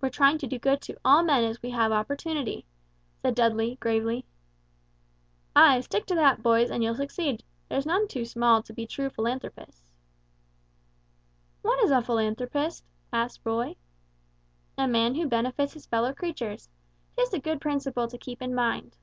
"We're trying to do good to all men as we have opportunity," said Dudley, gravely. "Ay, stick to that, boys, and you'll succeed. There's none too small to be true philanthropists." "What is a philanthropist?" asked Roy. "A man who benefits his fellow creatures. 'Tis a good principle to keep in mind."